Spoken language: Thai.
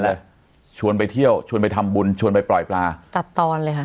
หาให้ชวนไปเที่ยวฝ่ายปลาชวนไปทำบุญ